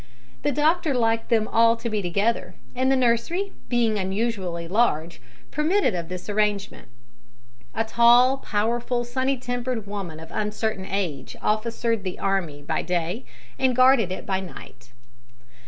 The doctor liked them all to be together, and the nursery, being unusually large, permitted of this arrangement. A tall, powerful, sunny tempered woman of uncertain age officered the army by day and guarded it by night.